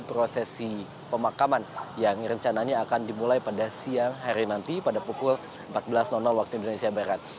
prosesi pemakaman yang rencananya akan dimulai pada siang hari nanti pada pukul empat belas waktu indonesia barat